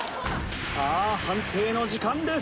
さあ判定の時間です。